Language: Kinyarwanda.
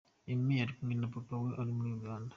Emmy arikumwe na papa we muri Uganda.